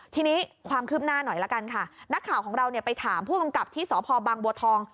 ทีนี้ความคืบหน้าหน่อยละกันค่ะนักข่าวของเราไปถามผู้กำกับที่สพบังบัวทอง